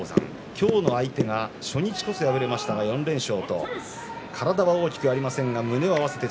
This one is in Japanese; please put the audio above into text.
今日の相手初日こそ敗れましたが４連勝。